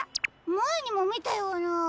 まえにもみたような。